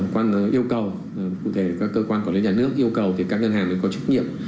còn yêu cầu cụ thể các cơ quan quản lý nhà nước yêu cầu thì các ngân hàng phải có trách nhiệm